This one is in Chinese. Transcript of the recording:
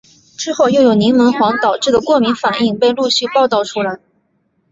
之后又有柠檬黄导致的过敏反应被陆续报道出来。